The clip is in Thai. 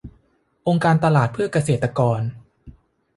องค์การตลาดเพื่อเกษตรกร